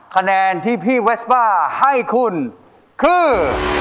คะแนนที่พี่เวสบ้าให้คุณคือ